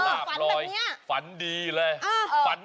หรือเป็นผู้โชคดีจากทางไหน